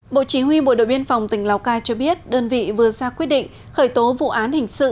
bộ chí huy bộ đội biên phòng tỉnh lào cai cho biết đơn vị vừa ra quyết định khởi tố vụ án hình sự